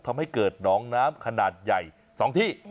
ทำให้เกิดหนองน้ำขนาดใหญ่๒ที่